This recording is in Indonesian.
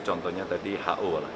contohnya tadi ho lah